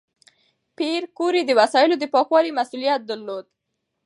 پېیر کوري د وسایلو د پاکوالي مسؤلیت درلود.